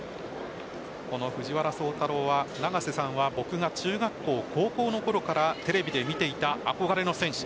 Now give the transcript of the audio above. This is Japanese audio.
藤原崇太郎は永瀬さんは僕が中学校高校のころからテレビで見ていた憧れの選手。